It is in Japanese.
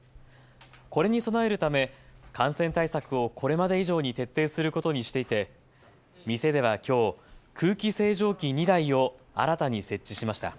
これに備えるため感染対策をこれまで以上に徹底することにしていて店ではきょう、空気清浄機２台を新たに設置しました。